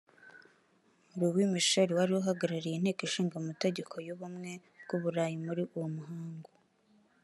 Louis Michel wari uhagarariye Inteko Ishinga Amategeko y’Ubumwe bw’u Burayi muri uwo muhango